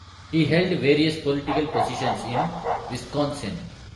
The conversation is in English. He held various political positions in Wisconsin.